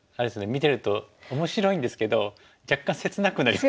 見てると面白いんですけど若干切なくなりますね。